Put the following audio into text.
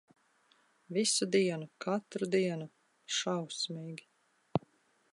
Visu dienu, katru dienu. Šausmīgi.